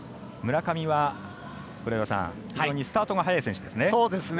村上はスタートが速い選手ですね。